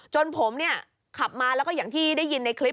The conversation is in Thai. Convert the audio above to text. จนผมเนี่ยขับมาแล้วก็อย่างที่ได้ยินในคลิป